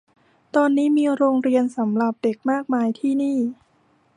ตอนนี้มีโรงเรียนสำหรับเด็กมากมายที่นี้